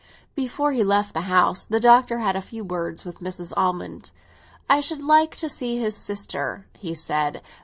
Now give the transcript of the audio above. Before he left the house the Doctor had a few words with Mrs. Almond. "I should like to see his sister," he said.